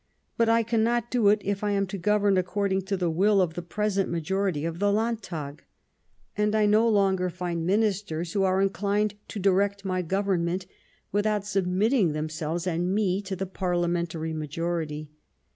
But I cannot do it if I am to govern according to the will of the present majority of the Landtag ; and I no longer find Ministers who are 57 Bismarck inclined to direct my Government without sub mitting themselves and me to the parliamentary majority.